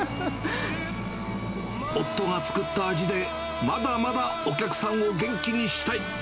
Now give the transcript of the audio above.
夫が作った味で、まだまだお客さんを元気にしたい。